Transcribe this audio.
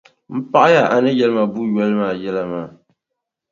M paɣiya a ni yɛli ma buʼ yoli maa yɛla maa.